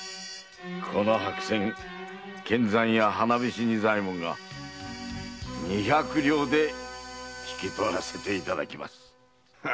この白扇献残屋花菱仁左衛門が二百両で引き取らせていただきます。